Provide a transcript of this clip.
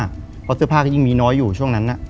เพราะเสื้อผ้าก็ยิ่งมีน้อยอยู่ช่วงนั้น